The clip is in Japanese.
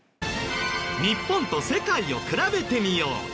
日本と世界を比べてみよう。